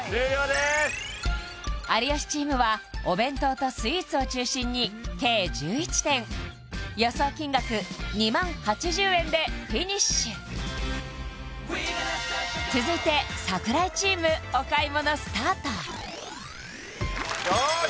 でーす有吉チームはお弁当とスイーツを中心に計１１点予想金額２万８０円でフィニッシュ続いて櫻井チームお買い物スタートよーし